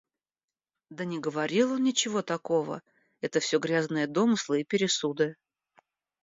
Да не говорил он ничего такого, это всё грязные домыслы и пересуды!